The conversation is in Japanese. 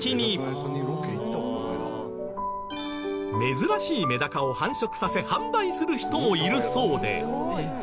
珍しいメダカを繁殖させ販売する人もいるそうで。